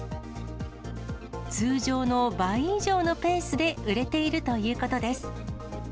通常の倍以上のペースで売れているということです。